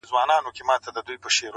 ستا د يوې لپي ښكلا په بدله كي ياران~